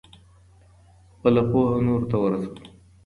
خپله پوهه نورو ته ورسوئ.